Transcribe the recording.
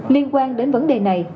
liên quan đến vấn đề này